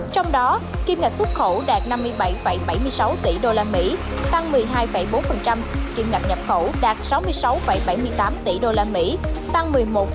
trong đó kiêm ngạch xuất khẩu đạt năm mươi bảy bảy mươi sáu tỷ đô la mỹ tăng một mươi hai bốn kiêm ngạch nhập khẩu đạt sáu mươi sáu bảy mươi tám tỷ đô la mỹ tăng một mươi một một